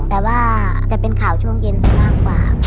แต่ว่าจะเป็นข่าวช่วงเย็นซะมากกว่า